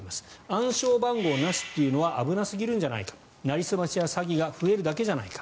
暗証番号なしというのは危なすぎるんじゃないとなりすましや詐欺が増えるだけじゃないか。